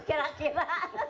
tidak tahu lah kira kira